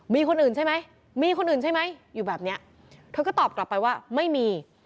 มีคนอื่นใช่ไหมมีคนอื่นใช่ไหมอยู่แบบเนี้ยเธอก็ตอบกลับไปว่าไม่มี